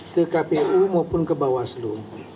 ke kpu maupun ke bawaslu